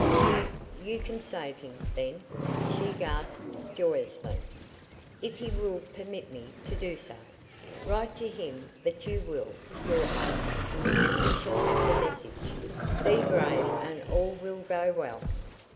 "You you can save him, then?" she gasped, joyously. "If he will permit me to do so. Write to him what you will, your Highness, and he shall have the message. Be brave and all will go well.